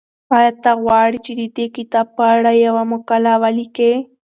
ایا ته غواړې چې د دې کتاب په اړه یوه مقاله ولیکې؟